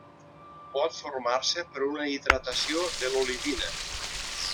Pot formar-se per una hidratació de l'olivina.